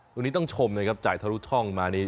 ตรงนี้ต้องชมนะครับจ่ายทะลุช่องมานี้